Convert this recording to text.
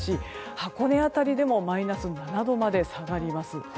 箱根辺りでもマイナス７度まで下がります。